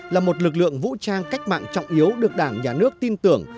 là một lực lượng vũ trang cách mạng trọng yếu được đảng nhà nước tin tưởng